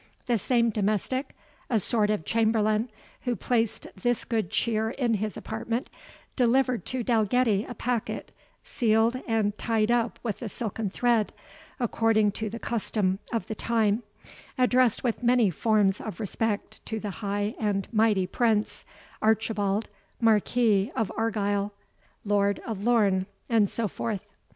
The same domestic, a sort of chamberlain, who placed this good cheer in his apartment, delivered to Dalgetty a packet, sealed and tied up with a silken thread, according to the custom of the time, addressed with many forms of respect to the High and Mighty Prince, Archibald, Marquis of Argyle, Lord of Lorne, and so forth.